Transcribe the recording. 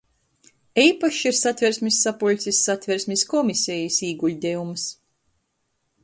Eipašs ir Satversmis sapuļcis Satversmis komisejis īguļdejums.